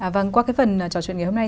vâng qua cái phần trò chuyện ngày hôm nay